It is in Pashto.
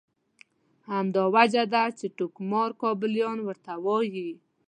همدا وجه ده چې ټوکمار کابلیان ورته وایي.